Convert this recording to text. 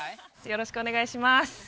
よろしくお願いします